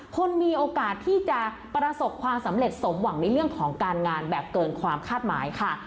คนมีโอกาสที่จะประสบความสำเร็จสมหวังในเรื่องของการงานแบบเกินความคาดหมายค่ะ